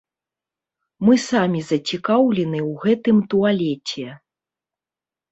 Мы самі зацікаўлены ў гэтым туалеце.